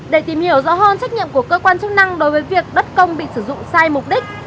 để tìm hiểu rõ hơn trách nhiệm của cơ quan chức năng đối với việc đất công bị sử dụng sai mục đích